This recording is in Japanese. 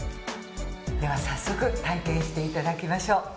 では早速体験していただきましょう。